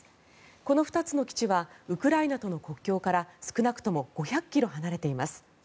この２つの基地はウクライナとの国境から少なくとも５００ｋｍ離れています。